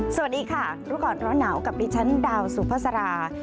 สวัสดีค่ะรู้ก่อนร้อนหนาวกับดิฉันดาวสุภาษารา